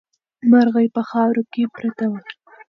مرغۍ په خاورو کې پرته وه.